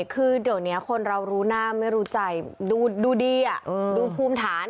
คือเดี๋ยวนี้คนเรารู้หน้าไม่รู้ใจดูดีดูภูมิฐาน